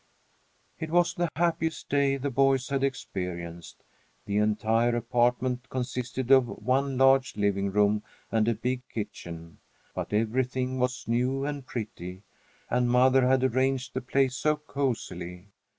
It was the happiest day the boys had experienced. The entire apartment consisted of one large living room and a big kitchen, but everything was new and pretty, and mother had arranged the place so cosily.